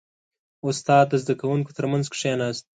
• استاد د زده کوونکو ترمنځ کښېناست.